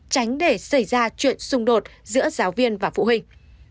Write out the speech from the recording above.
tránh để xảy ra chuyện xung đột giữa giáo viên và học sinh